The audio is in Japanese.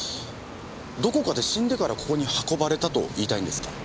どこかで死んでからここに運ばれたと言いたいんですか？